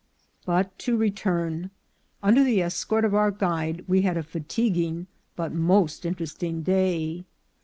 But to return : Under the escort of our guide we had a fatiguing but most interesting day.